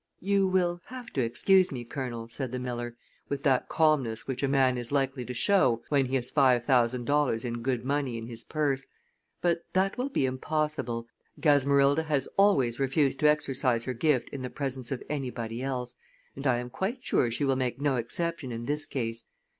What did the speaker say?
"You will have to excuse me, Colonel," said the miller, with that calmness which a man is likely to show when he has five thousand dollars in good money in his purse, "but that will be impossible. Gasmerilda has always refused to exercise her gift in the presence of anybody else, and I am quite sure she will make no exception in this case.